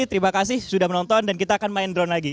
terima kasih sudah menonton dan kita akan main drone lagi